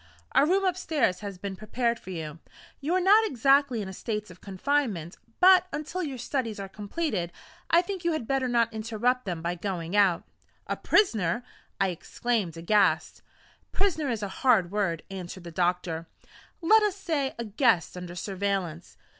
A room upstairs has been prepared for you. You are not exactly in a state of confinement; but, until your studies are completed, I think you had better not interrupt them by going out." "A prisoner!" I exclaimed aghast. "Prisoner is a hard word," answered the doctor. "Let us say, a guest under surveillance."